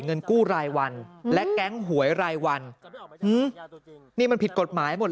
เงินกู้รายวันและแก๊งหวยรายวันนี่มันผิดกฎหมายหมด